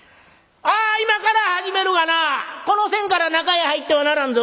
「あ今から始めるがなこの線から中へ入ってはならんぞ」。